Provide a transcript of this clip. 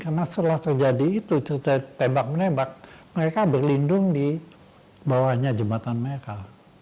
karena setelah terjadi itu cerita tembak menembak mereka berlindung di bawahnya jembatan merah